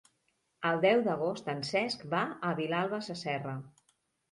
El deu d'agost en Cesc va a Vilalba Sasserra.